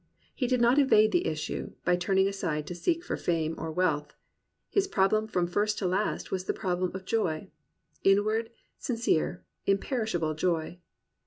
He did not evade the issue, by turning aside to seek for fame or wealth. His problem from first to last was the problem of joy, — inward, sincere, imperishable joy.